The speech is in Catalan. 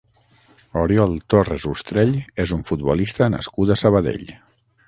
Oriol Torres Ustrell és un futbolista nascut a Sabadell.